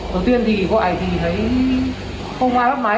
đầu tiên thì gọi thì thấy không ai bắt máy